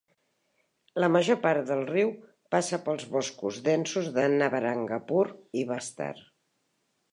La major part del riu passa pels boscos densos de Nabarangapur i Bastar.